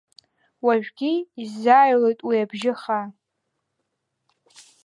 Уажәгьы исзааҩлоит уи абжьы хаа…